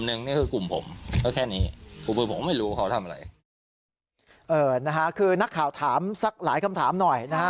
เอ่อนะฮะคือนักข่าวถามสักหลายคำถามหน่อยนะฮะ